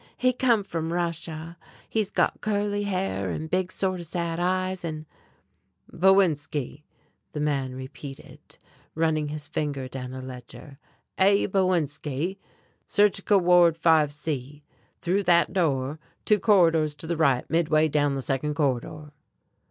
He come from Russia. He's got curly hair and big sort of sad eyes, and " "Bowinski," the man repeated, running his finger down a ledger, "A. Bowinski, Surgical Ward 5 C. Through that door, two corridors to the right midway down the second corridor."